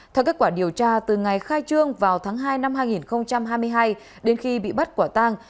theo kết quả điều tra từ ngày khai trương vào tháng hai năm hai nghìn hai mươi hai đến khi bị bắt quả tang